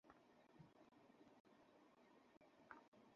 এখন যাও, আর জলদি নিয়ে এসো।